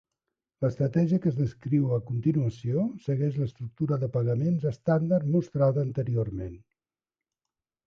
L'estratègia que es descriu a continuació segueix l'estructura de pagaments estàndard mostrada anteriorment.